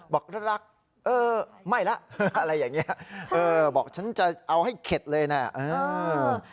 บอกรักเออไม่ละอะไรอย่างนี้เออบอกฉันจะเอาให้เข็ดเลยน่ะเออ